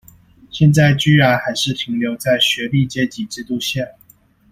現在居然還是停留在學歷階級制度下？